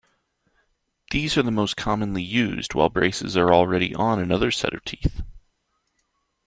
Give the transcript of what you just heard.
These are most commonly used while braces are already on another set of teeth.